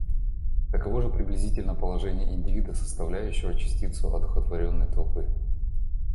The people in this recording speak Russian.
Таково же приблизительно положение индивида, составляющего частицу одухотворенной толпы.